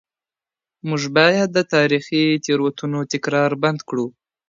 موږ باید د تاریخي تېروتنو تکرار بند کړو.